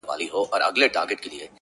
o د شېخانو د ټگانو ـ د محل جنکۍ واوره ـ